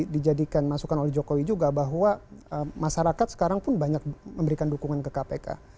dijadikan masukan oleh jokowi juga bahwa masyarakat sekarang pun banyak memberikan dukungan ke kpk